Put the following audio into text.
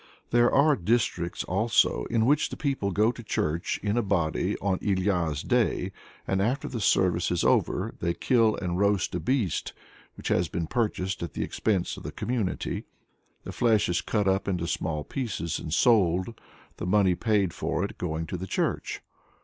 There are districts, also, in which the people go to church in a body on Ilya's day, and after the service is over they kill and roast a beast which has been purchased at the expense of the community. Its flesh is cut up into small pieces and sold, the money paid for it going to the church.